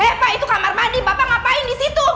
eh pak itu kamar mandi bapak ngapain disitu